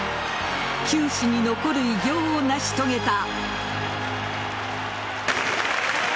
球史に残る偉業を成し遂げた。